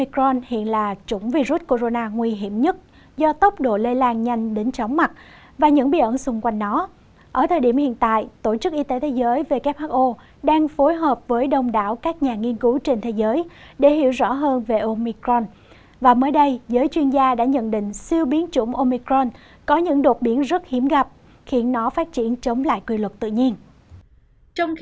các bạn hãy đăng kí cho kênh lalaschool để không bỏ lỡ những video hấp dẫn